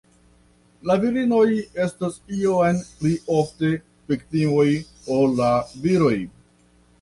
La virinoj estas iom pli ofte viktimoj ol la viroj.